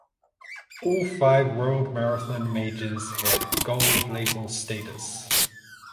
All five World Marathon Majors had Gold Label status.